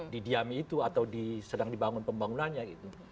didiami itu atau sedang dibangun pembangunannya gitu